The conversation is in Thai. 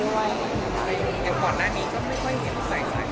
เดี๋ยวก่อนหน้านี้ก็ไม่ค่อยเห็นว่าใส่สายสะพาย